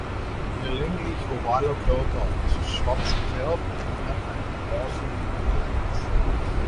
Ihr länglich-ovaler Körper ist schwarz gefärbt und hat einen bronzenen Glanz.